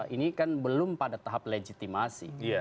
ini kan belum pada tahap legitimasi